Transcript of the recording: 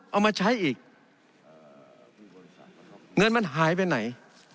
เอามาใช้อีกเงินมันหายไปไหน